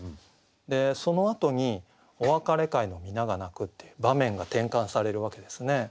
でそのあとに「お別れ会の皆が泣く」っていう場面が転換されるわけですね。